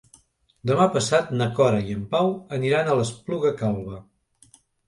Demà passat na Cora i en Pau aniran a l'Espluga Calba.